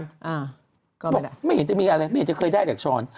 บอกไม่เห็นจะมีอะไรไม่เขื่อได้แหละช้อน